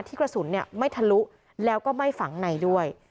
กระสุนไม่ทะลุแล้วก็ไม่ฝังในด้วย